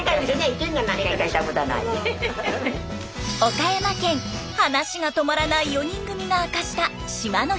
岡山県話が止まらない４人組が明かした島の秘密。